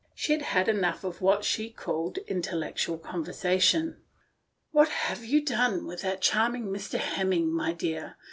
She had had enough of what she called intellectual conversation. " What have you done with that charming Mr. Hemming, my dear?"